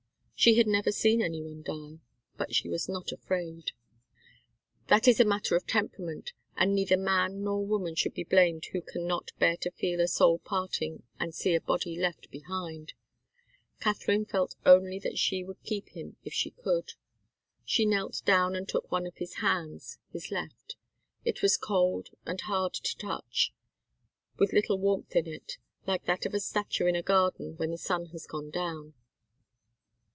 She had never seen any one die, but she was not afraid. That is a matter of temperament, and neither man nor woman should be blamed who can not bear to feel a soul parting and see a body left behind. Katharine felt only that she would keep him if she could. She knelt down and took one of his hands, his left. It was cold and hard to touch, with little warmth in it, like that of a statue in a garden when the sun has gone down.